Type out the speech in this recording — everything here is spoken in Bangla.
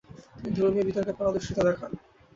তিনি ধর্মীয় বিতর্কে পারদর্শিতা দেখান।